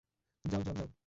যাও যাও যাও!